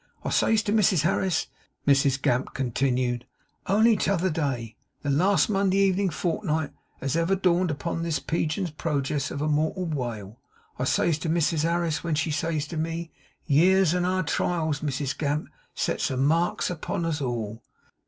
I says to Mrs Harris,' Mrs Gamp continued, 'only t'other day; the last Monday evening fortnight as ever dawned upon this Piljian's Projiss of a mortal wale; I says to Mrs Harris when she says to me, "Years and our trials, Mrs Gamp, sets marks upon us all."